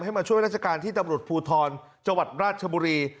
มาช่วยราชการที่ตำรวจภูทรจังหวัดราชบุรี